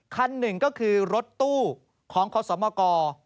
คันหนึ่งก็คือรถตู้ของขอสมก